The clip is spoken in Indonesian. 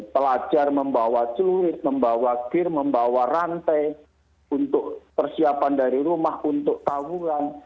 pelajar membawa celurit membawa gear membawa rantai untuk persiapan dari rumah untuk tawuran